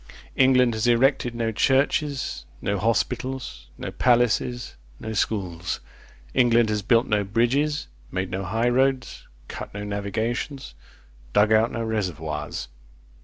England has erected no churches, no hospitals, no palaces, no schools; England has built no bridges, made no high roads, cut no navigations, dug out no reservoirs.